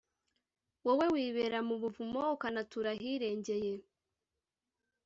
wowe wibera mu buvumo, ukanatura ahirengeye,